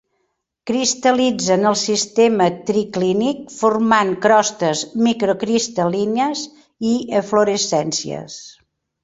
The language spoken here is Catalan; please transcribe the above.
Cristal·litza en el sistema triclínic formant crostes microcristal·lines i eflorescències.